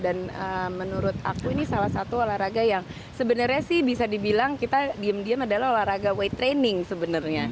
dan menurut aku ini salah satu olahraga yang sebenarnya sih bisa dibilang kita diem diem adalah olahraga weight training sebenarnya